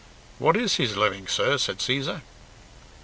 "What is his living, sir?" said Cæsar.